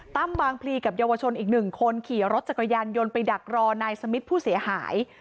บางพลีกับเยาวชนอีกหนึ่งคนขี่รถจักรยานยนต์ไปดักรอนายสมิทผู้เสียหาย